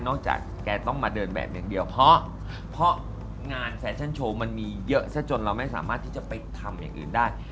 จากแกต้องมาเดินแบบอย่างเดียวเพราะงานแฟชั่นโชว์มันมีเยอะซะจนเราไม่สามารถที่จะไปทำอย่างอื่นได้